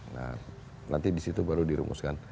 nah nanti di situ baru dirumuskan